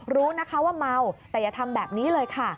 รู้นะคะว่าเมาแต่อย่าทำแบบนี้เลยค่ะ